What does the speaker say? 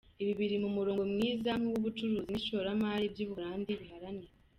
Ibi biri mu murongo mwiza nk’uwo ubucuruzi n’ishoramari by’u Buholandi biharanira.”